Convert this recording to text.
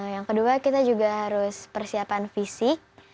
yang kedua kita juga harus persiapan fisik